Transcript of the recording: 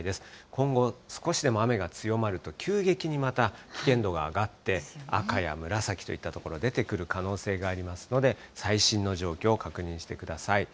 今後、少しでも雨が強まると、急激にまた危険度が上がって、赤や紫といった所、出てくる可能性がありますので、最新の状況を確認してください。